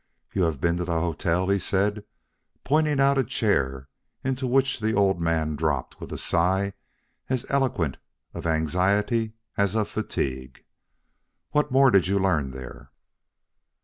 "You have been to the hotel," he said, pointing out a chair into which the old man dropped with a sigh as eloquent of anxiety as of fatigue. "What more did you learn there?"